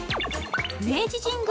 明治神宮